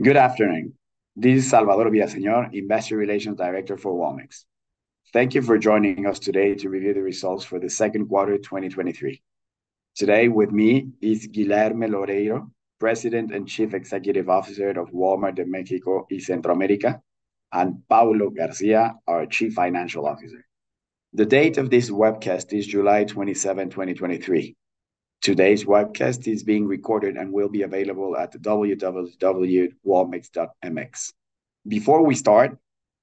Good afternoon, this is Salvador Villaseñor, Investor Relations Director for Walmex. Thank you for joining us today to review the results for the second quarter, 2023. Today with me is Guilherme Loureiro, President and Chief Executive Officer of Walmart de Mexico y Centroamérica, and Paulo Garcia, our Chief Financial Officer. The date of this webcast is July 27, 2023. Today's webcast is being recorded and will be available at www.walmex.mx. Before we start,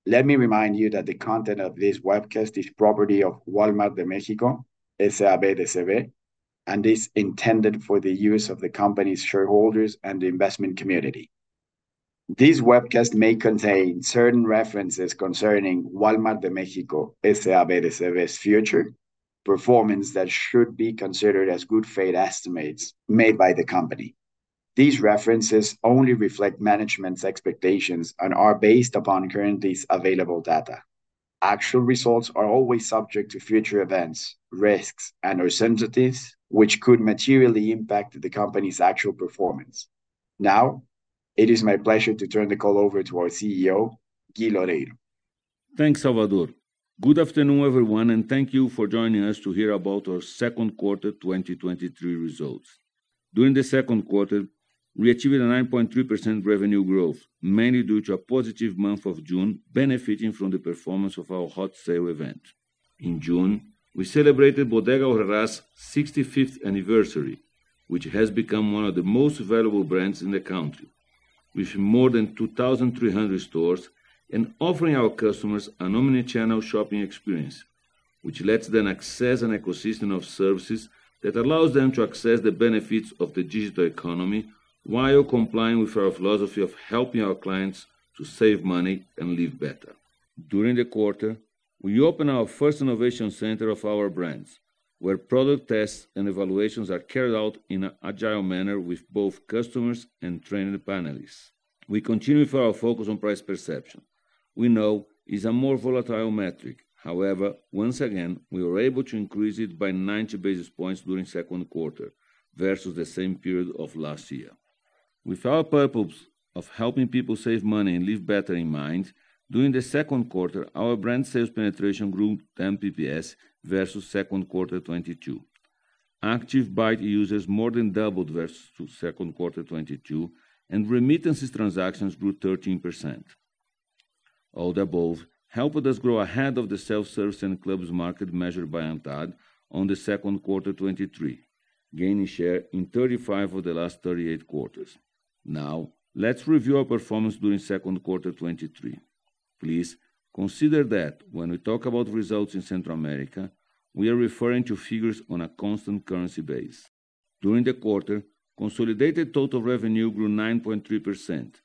let me remind you that the content of this webcast is property of Walmart de Mexico, S.A.B. de C.V, and is intended for the use of the company's shareholders and the investment community. This webcast may contain certain references concerning Walmart de Mexico S.A.B. de C.V's future performance that should be considered as good faith estimates made by the company. These references only reflect management's expectations and are based upon currently available data. Actual results are always subject to future events, risks, and/or sensitivities, which could materially impact the company's actual performance. Now, it is my pleasure to turn the call over to our CEO, Gui Loureiro. Thanks, Salvador. Good afternoon, everyone, thank you for joining us to hear about our Q2 results. During the Q2 we achieved a 9.3% revenue growth, mainly due to a positive month of June, benefiting from the performance of our Hot Sale event. In June, we celebrated Bodega Aurrera's 65th anniversary, which has become one of the most valuable brands in the country, with more than 2,300 stores and offering our customers an omnichannel shopping experience, which lets them access an ecosystem of services that allows them to access the benefits of the digital economy while complying with our philosophy of helping our clients to save money and live better. During the quarter, we opened our first Innovation Center of Our Brands, where product tests and evaluations are carried out in an agile manner with both customers and trained panelists. We continue with our focus on price perception. We know it's a more volatile metric, however, once again, we were able to increase it by 90 bps during Q2 versus the same period of last year. With our purpose of helping people save money and live better in mind, during the second quarter, Our Brands sales penetration grew 10 bpts versus 2Q22. Active Bait users more than doubled versus 2Q22, and remittances transactions grew 13%. All the above helped us grow ahead of the self-service and clubs market measured by ANTAD on the second quarter 2023, gaining share in 35 of the last 38 quarters. Now, let's review our performance during Q2 2023. Please consider that when we talk about results in Central America, we are referring to figures on a constant currency basis. During the quarter, consolidated total revenue grew 9.3%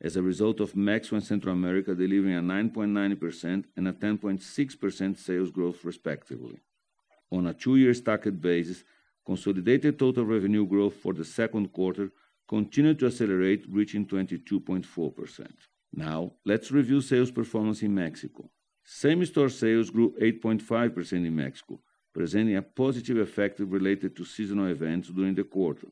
as a result of Walmex and Central America delivering a 9.9% and a 10.6% sales growth, respectively. On a two-year stacked basis, consolidated total revenue growth for the Q2 continued to accelerate, reaching 22.4%. Now, let's review sales performance in Mexico. Same-store sales grew 8.5% in Mexico, presenting a positive effect related to seasonal events during the quarter,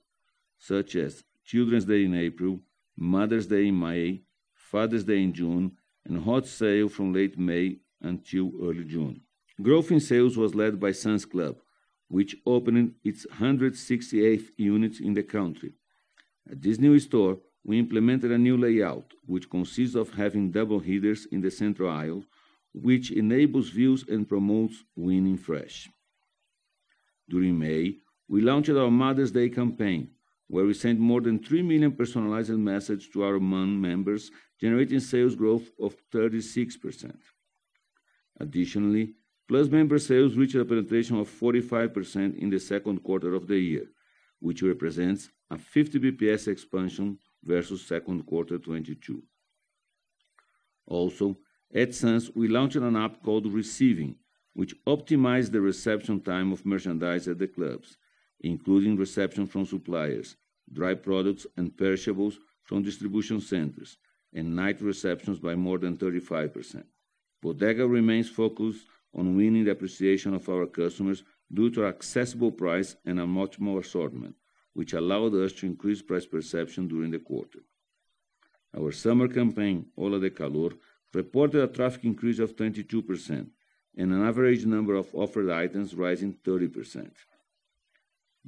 such as Children's Day in April, Mother's Day in May, Father's Day in June, and Hot Sale from late May until early June. Growth in sales was led by Sam's Club, which opened its 168th unit in the country. At this new store, we implemented a new layout, which consists of having double headers in the central aisle, which enables views and promotes winning fresh. During May, we launched our Mother's Day campaign, where we sent more than 3 million personalized messages to our mom members, generating sales growth of 36%. Additionally, Plus member sales reached a penetration of 45% in the Q2 of the year, which represents a 50 basis points expansion versus Q2 2Q22. At Sam's, we launched an app called Receiving, which optimized the reception time of merchandise at the clubs, including reception from suppliers, dry products, and perishables from Distribution Centers, and night receptions by more than 35%. Bodega remains focused on winning the appreciation of our customers due to accessible price and a much more assortment, which allowed us to increase price perception during the quarter. Our summer campaign, OLA DE CALOR, reported a traffic increase of 22% and an average number of offered items rising 30%.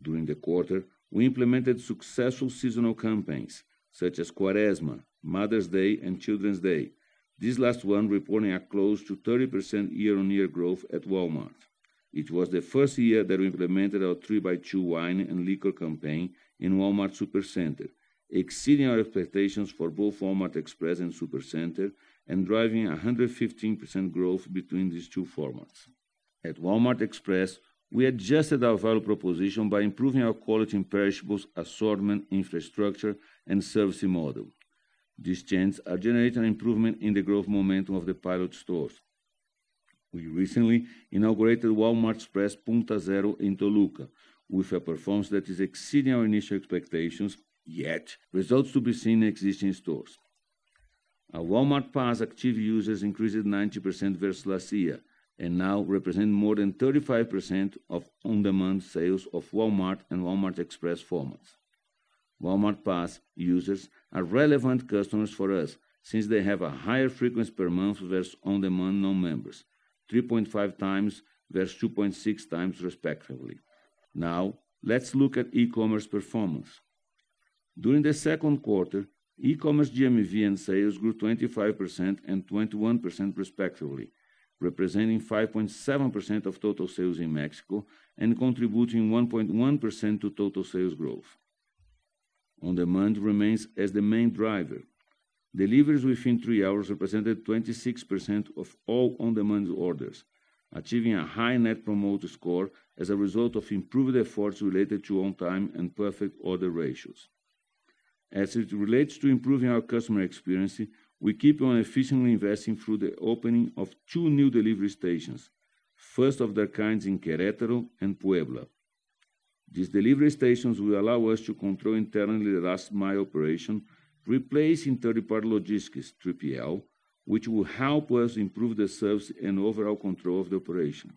During the quarter, we implemented successful seasonal campaigns such as Cuaresma, Mother's Day, and Children's Day. This last one reporting a close to 30% year-on-year growth at Walmart. It was the first year that we implemented our 3x2 wine and liquor campaign in Walmart Supercenter, exceeding our expectations for both Walmart Express and Supercenter and driving a 115% growth between these two formats. At Walmart Express, we adjusted our value proposition by improving our quality in perishables, assortment, infrastructure, and servicing model. These chains are generating improvement in the growth momentum of the pilot stores. We recently inaugurated Walmart Express Punta Zero in Toluca, with a performance that is exceeding our initial expectations, yet results to be seen in existing stores. Our Walmart Pass active users increased 90% versus last year, and now represent more than 35% of On Demand sales of Walmart and Walmart Express formats. Walmart Pass users are relevant customers for us, since they have a higher frequency per month versus On Demand non-members, 3.5x versus 2.6x, respectively. Now, let's look at e-commerce performance. During the Q2 E-commerce GMV and sales grew 25% and 21% respectively, representing 5.7% of total sales in Mexico and contributing 1.1% to total sales growth. On Demand remains as the main driver. Deliveries within 3 hours represented 26% of all On Demand orders, achieving a high Net Promoter Score as a result of improved efforts related to on-time and perfect order ratios. As it relates to improving our customer experience, we keep on efficiently investing through the opening of 2 new delivery stations, first of their kinds in Querétaro and Puebla. These delivery stations will allow us to control internally the last mile operation, replacing third-party logistics, 3PL, which will help us improve the service and overall control of the operation.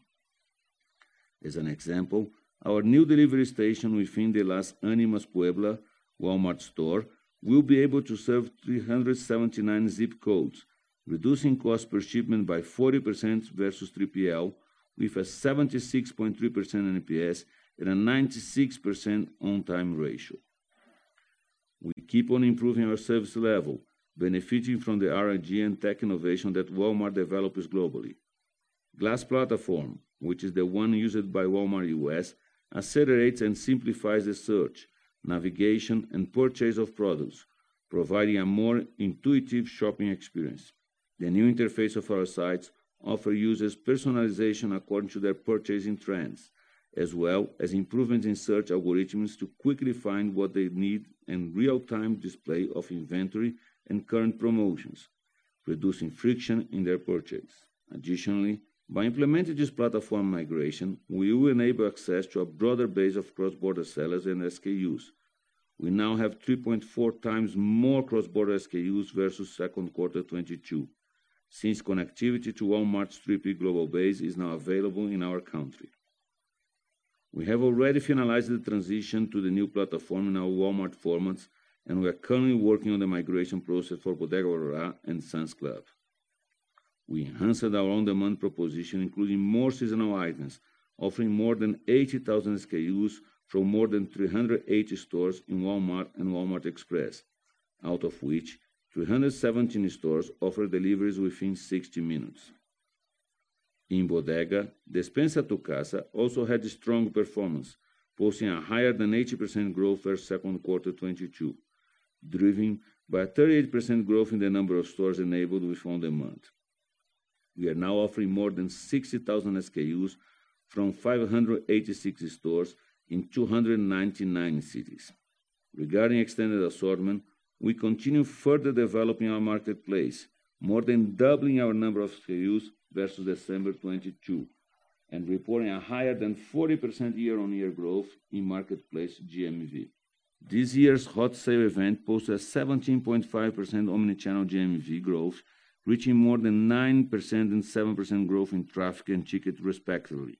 As an example, our new delivery station within the Las Animas, Puebla Walmart store, will be able to serve 379 zip codes, reducing cost per shipment by 40% versus 3PL, with a 76.3% NPS and a 96% on-time ratio. We keep on improving our service level, benefiting from the R&D and tech innovation that Walmart develops globally. Glass platform, which is the one used by Walmart U.S., accelerates and simplifies the search, navigation, and purchase of products, providing a more intuitive shopping experience. The new interface of our sites offer users personalization according to their purchasing trends, as well as improvements in search algorithms to quickly find what they need in real-time display of inventory and current promotions, reducing friction in their purchase. Additionally, by implementing this platform migration, we will enable access to a broader base of cross-border sellers and SKUs. We now have 3.4x more cross-border SKUs versus Q2 2022, since connectivity to Walmart's 3P global base is now available in our country. We have already finalized the transition to the new platform in our Walmart formats, and we are currently working on the migration process for Bodega Aurrera and Sam's Club. We enhanced our on-demand proposition, including more seasonal items, offering more than 80,000 SKUs from more than 380 stores in Walmart and Walmart Express, out of which, 317 stores offer deliveries within 60 minutes. In Bodega, Despensa a tu Casa also had a strong performance, posting a higher than 80% growth versus 2Q22, driven by a 38% growth in the number of stores enabled with on-demand. We are now offering more than 60,000 SKUs from 586 stores in 299 cities. Regarding extended assortment, we continue further developing our marketplace, more than doubling our number of SKUs versus December 2022, and reporting a higher than 40% year-on-year growth in marketplace GMV. This year's Hot Sale event posted a 17.5% omni-channel GMV growth, reaching more than 9% and 7% growth in traffic and ticket, respectively,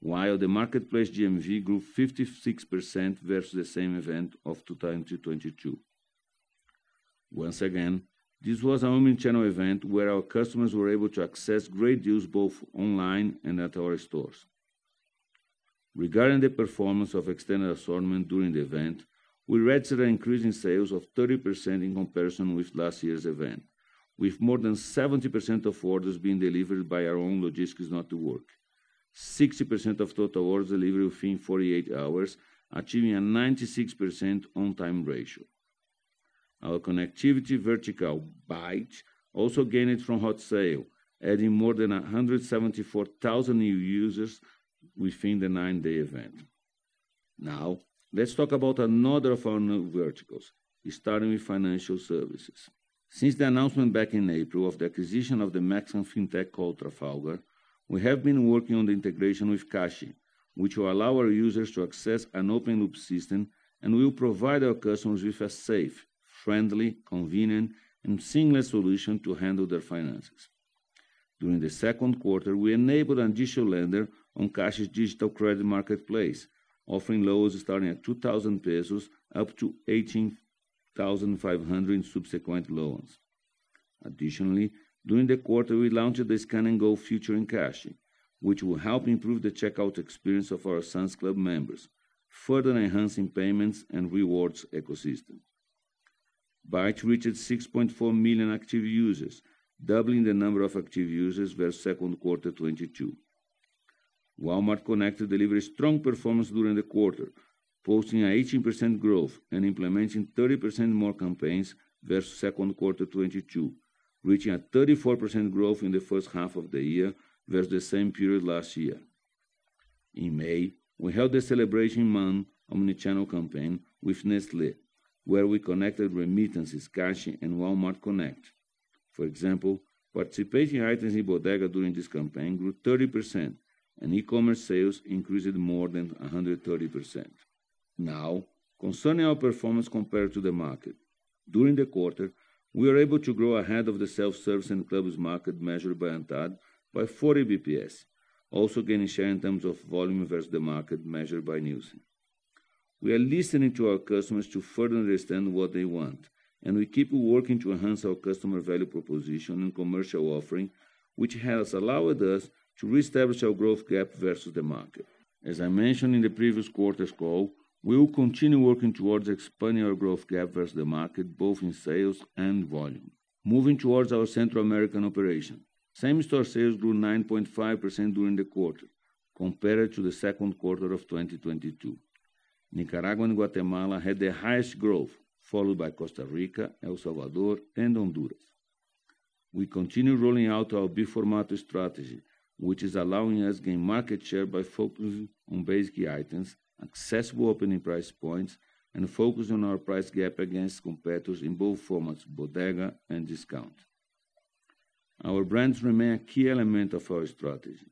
while the marketplace GMV grew 56% versus the same event of 2022. Once again, this was an omni-channel event where our customers were able to access great deals both online and at our stores. Regarding the performance of Extended Assortment during the event, we registered an increase in sales of 30% in comparison with last year's event, with more than 70% of orders being delivered by our own logistics network. 60% of total orders delivered within 48 hours, achieving a 96% on-time ratio. Our connectivity vertical, BAIT, also gained it from Hot Sale, adding more than 174,000 new users within the nine-day event. Let's talk about another of our new verticals, starting with financial services. Since the announcement back in April of the acquisition of the Mexican fintech called Trafalgar, we have been working on the integration with Cashi, which will allow our users to access an open loop system and will provide our customers with a safe, friendly, convenient, and seamless solution to handle their finances. During the second quarter, we enabled an additional lender on Cashi's digital credit marketplace, offering loans starting at 2000up to MXN 18,500 in subsequent loans. During the quarter, we launched the scan and go feature in Cashi, which will help improve the checkout experience of our Sam's Club members, further enhancing payments and rewards ecosystem. BAIT reached 6.4 million Active users, doubling the number of Active users versus 2Q22. Walmart Connect delivered a strong performance during the quarter, posting an 18% growth and implementing 30% more campaigns versus 2Q22, reaching a 34% growth in the first half of the year versus the same period last year. In May, we held the celebration month omni-channel campaign with Nestlé, where we connected remittances, Cashi, and Walmart Connect. For example, participation items in Bodega during this campaign grew 30%, and E-commerce sales increased more than 130%. Concerning our performance compared to the market, during the quarter, we were able to grow ahead of the self-service and clubs market measured by ANTAD by 40 basis points, also gaining share in terms of volume versus the market measured by Nielsen. We are listening to our customers to further understand what they want. We keep working to enhance our customer value proposition and commercial offering, which has allowed us to reestablish our growth gap versus the market. As I mentioned in the previous quarter's call, we will continue working towards expanding our growth gap versus the market, both in sales and volume. Moving towards our Central American operation, same-store sales grew 9.5% during the quarter compared to the second quarter of 2022. Nicaragua and Guatemala had the highest growth, followed by Costa Rica, El Salvador, and Honduras. We continue rolling out our big formato strategy, which is allowing us gain market share by focusing on basic items, accessible opening price points, and focusing on our price gap against competitors in both formats, Bodega and Discount. Our Brands remain a key element of our strategy.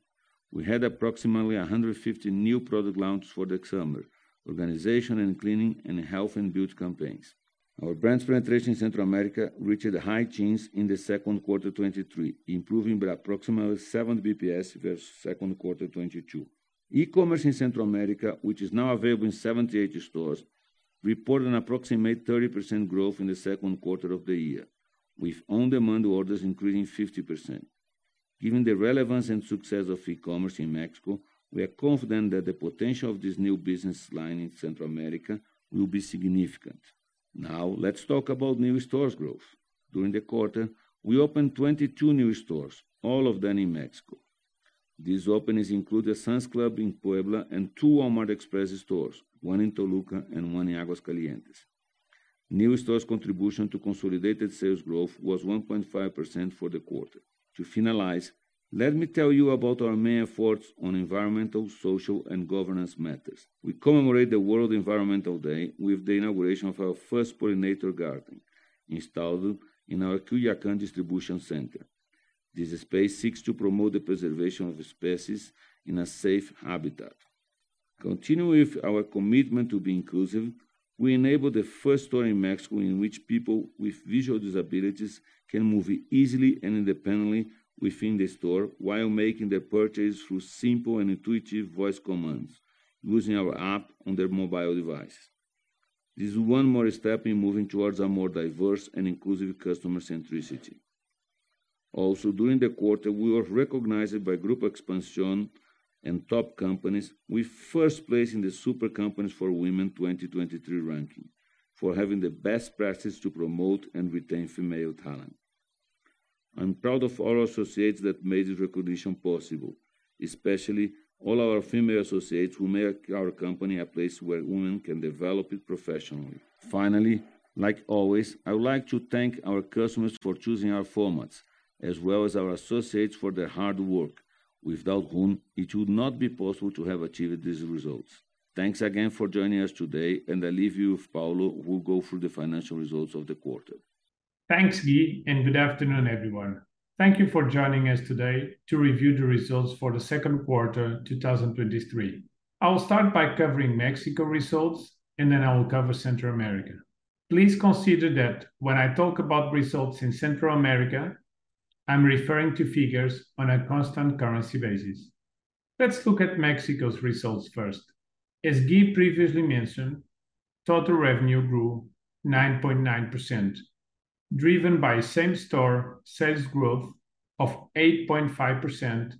We had approximately 150 new product launches for the summer, organization and cleaning, and health and beauty campaigns. Our Brands' penetration in Central America reached high teens in the second quarter 2023, improving by approximately 7 bps versus second quarter 2022. E-commerce in Central America, which is now available in 78 stores, reported an approximate 30% growth in the second quarter of the year, with on-demand orders increasing 50%. Given the relevance and success of e-commerce in Mexico, we are confident that the potential of this new business line in Central America will be significant. Let's talk about new stores growth. During the quarter, we opened 22 new stores, all of them in Mexico. These openings include a Sam's Club in Puebla and two Walmart Express stores, one in Toluca and one in Aguascalientes. New stores' contribution to consolidated sales growth was 1.5% for the quarter. To finalize, let me tell you about our main efforts on environmental, social, and governance matters. We commemorate the World Environmental Day with the inauguration of our first pollinator garden, installed in our Culiacán distribution center. This space seeks to promote the preservation of species in a safe habitat. Continuing with our commitment to be inclusive, we enabled the first store in Mexico in which people with visual disabilities can move easily and independently within the store while making their purchase through simple and intuitive voice commands, using our app on their mobile device. This is one more step in moving towards a more diverse and inclusive customer centricity. During the quarter, we were recognized by Grupo Expansión and top companies with first place in the Super Companies for Women 2023 ranking for having the best practice to promote and retain female talent. I'm proud of all our associates that made this recognition possible, especially all our female associates who make our company a place where women can develop professionally. Finally, like always, I would like to thank our customers for choosing our formats, as well as our associates for their hard work, without whom it would not be possible to have achieved these results. Thanks again for joining us today, and I leave you with Paulo, who will go through the financial results of the quarter. Thanks, Gui. Good afternoon, everyone. Thank you for joining us today to review the results for the second quarter 2023. I will start by covering Mexico results, and then I will cover Central America. Please consider that when I talk about results in Central America, I'm referring to figures on a constant currency basis. Let's look at Mexico's results first. As Gui previously mentioned, total revenue grew 9.9%, driven by same-store sales growth of 8.5%,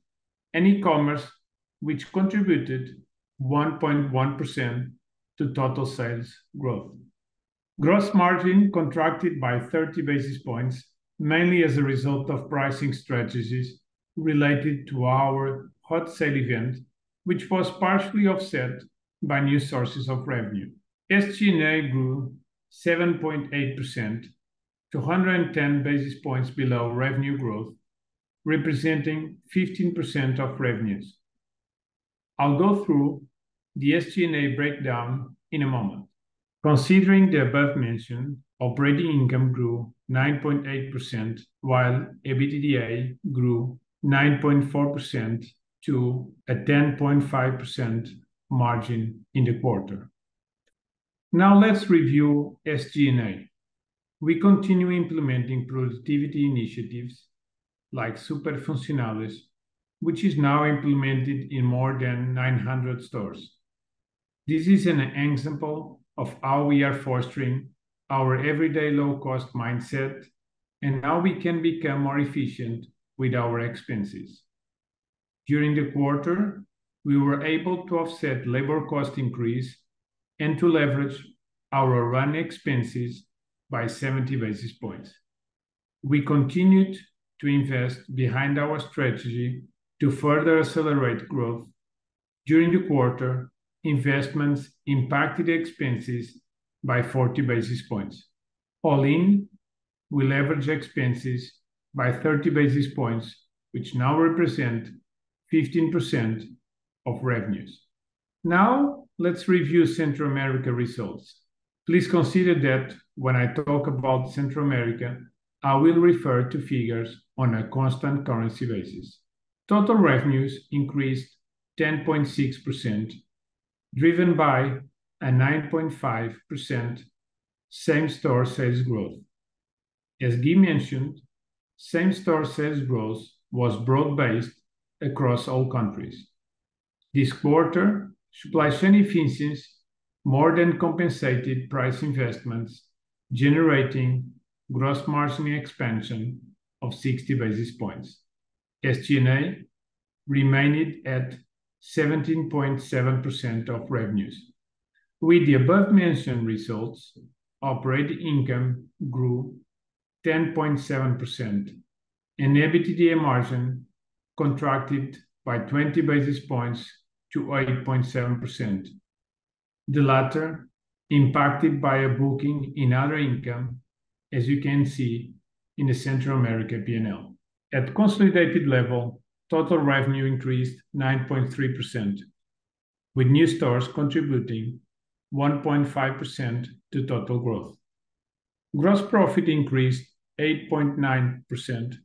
and E-commerce, which contributed 1.1% to total sales growth. Gross margin contracted by 30 bps, mainly as a result of pricing strategies related to our Hot Sale event, which was partially offset by new sources of revenue. SG&A grew 7.8% to 110 basis points below revenue growth, representing 15% of revenues. I'll go through the SG&A breakdown in a moment. Considering the above mention, operating income grew 9.8%, while EBITDA grew 9.4% to a 10.5% margin in the quarter. Let's review SG&A. We continue implementing productivity initiatives like Super Funcionales, which is now implemented in more than 900 stores. This is an example of how we are fostering our everyday low-cost mindset and how we can become more efficient with our expenses. During the quarter, we were able to offset labor cost increase and to leverage our running expenses by 70 basis points. We continued to invest behind our strategy to further accelerate growth. During the quarter, investments impacted expenses by 40 basis points. All in, we leverage expenses by 30 bps, which now represent 15% of revenues. Let's review Central America results. Please consider that when I talk about Central America, I will refer to figures on a constant currency basis. Total revenues increased 10.6%, driven by a 9.5% same-store sales growth. As Gui mentioned, same-store sales growth was broad-based across all countries. This quarter, supply chain efficiencies more than compensated price investments, generating gross margin expansion of 60 basis points. SG&A remained at 17.7% of revenues. With the above-mentioned results, operating income grew 10.7%, and EBITDA margin contracted by 20 bps to 8.7%, the latter impacted by a booking in other income, as you can see in the Central America P&L. At consolidated level, total revenue increased 9.3%, with new stores contributing 1.5% to total growth. Gross profit increased 8.9%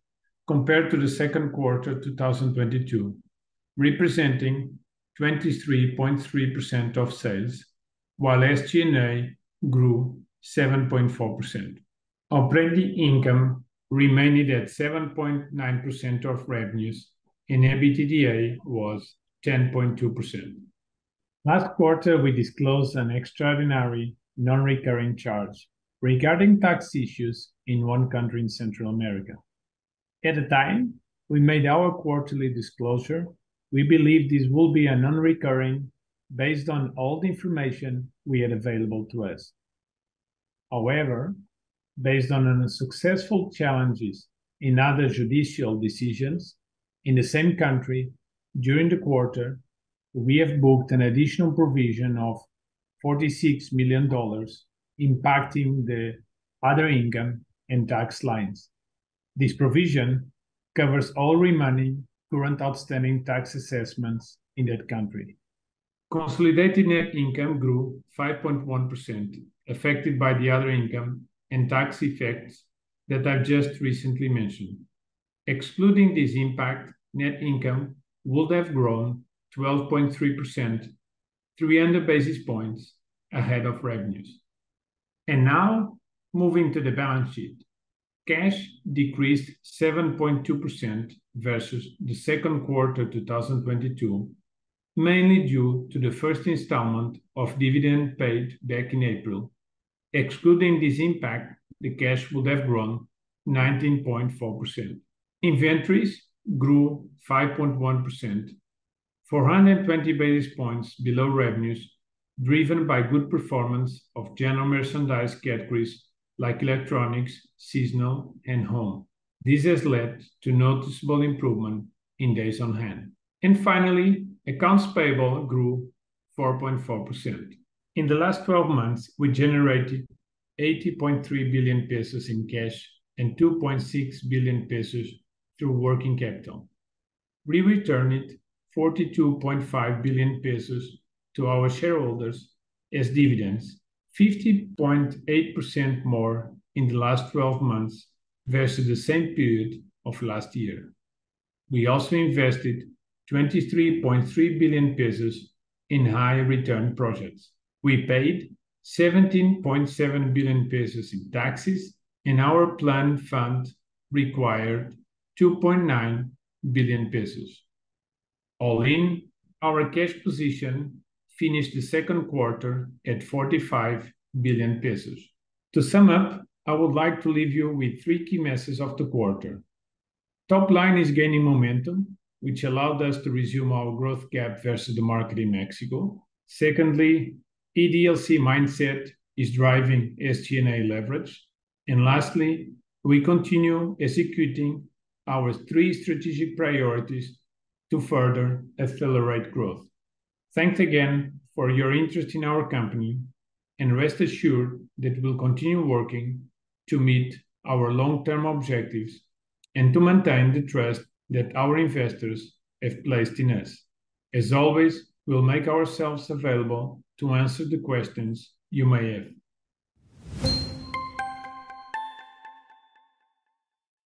compared to the second quarter of 2022, representing 23.3% of sales, while SG&A grew 7.4%. Operating income remained at 7.9% of revenues, and EBITDA was 10.2%. Last quarter, we disclosed an extraordinary non-recurring charge regarding tax issues in one country in Central America. At the time we made our quarterly disclosure, we believed this would be a non-recurring based on all the information we had available to us. Based on unsuccessful challenges in other judicial decisions in the same country during the quarter, we have booked an additional provision of $46 million, impacting the other income and tax lines. This provision covers all remaining current outstanding tax assessments in that country. Consolidated net income grew 5.1%, affected by the other income and tax effects that I've just recently mentioned. Excluding this impact, net income would have grown 12.3%, 300 bps ahead of revenues. Now, moving to the balance sheet. Cash decreased 7.2% versus the second quarter of 2022, mainly due to the first installment of dividend paid back in April. Excluding this impact, the cash would have grown 19.4%. Inventories grew 5.1%, 420 basis points below revenues, driven by good performance of general merchandise categories like electronics, seasonal, and home. This has led to noticeable improvement in days on hand. Finally, accounts payable grew 4.4%. In the last 12 months, we generated 80.3 billion pesos in cash and 2.6 billion pesos through working capital. We returned 42.5 billion pesos to our shareholders as dividends, 50.8% more in the last 12 months versus the same period of last year. We also invested 23.3 billion pesos in high-return projects. We paid 17.7 billion pesos in taxes, our planned fund required 2.9 billion pesos. All in, our cash position finished the second quarter at 45 billion pesos. To sum up, I would like to leave you with three key messages of the quarter. Top line is gaining momentum, which allowed us to resume our growth gap versus the market in Mexico. Secondly, EDLC mindset is driving SG&A leverage. Lastly, we continue executing our three strategic priorities to further accelerate growth. Thanks again for your interest in our company, and rest assured that we'll continue working to meet our long-term objectives and to maintain the trust that our investors have placed in us. As always, we'll make ourselves available to answer the questions you may have.